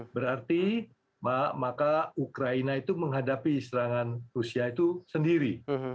berarti maka ukraina itu menghadapi serangan rusia itu sendiri